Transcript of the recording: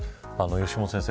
吉本先生